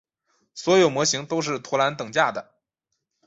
所有模型都是图灵等价的。